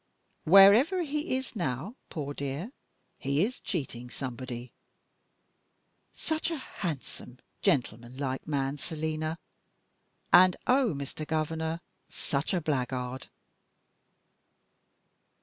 Wherever he is now, poor dear, he is cheating somebody. Such a handsome, gentleman like man, Selina! And, oh, Mr. Governor, such a blackguard!"